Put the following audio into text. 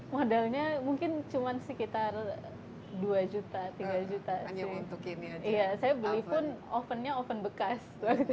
modalnya mungkin cuman sekitar dua juta tiga juta hanya untuk ini aja saya beli pun ovennya oven bekas